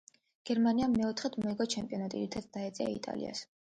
გერმანიამ მეოთხედ მოიგო ჩემპიონატი, რითაც დაეწია იტალიას.